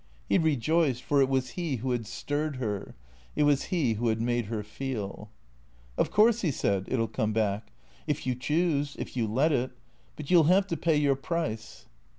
He rejoiced, for it was he who had stirred her ; it was he who had made her feeh " Of course," he said, " it '11 come back. If you choose — if you let it. But you '11 have to pay your price."